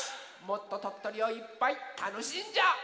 もっととっとりをいっぱいたのしんじゃおう！